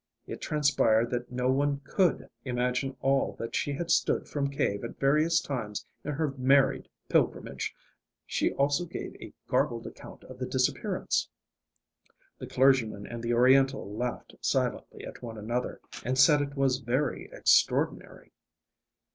It transpired that no one could imagine all that she had stood from Cave at various times in her married pilgrimage.... She also gave a garbled account of the disappearance. The clergyman and the Oriental laughed silently at one another, and said it was very extraordinary.